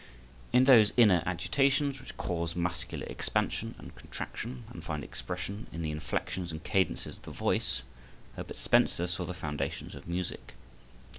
In those inner agitations which cause muscular expansion and contraction, and find expression in the inflections and cadences of the voice, Herbert Spencer saw the foundations of music.